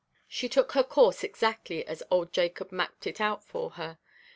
She took her course exactly as old Jacob mapped it out for her.